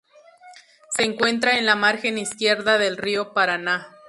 Se encuentra en la margen izquierda del río Paraná.